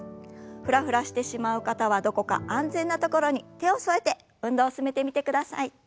フラフラしてしまう方はどこか安全な所に手を添えて運動を進めてみてください。